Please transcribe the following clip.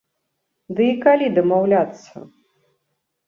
Ды і калі дамаўляцца?